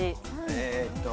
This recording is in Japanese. えっと。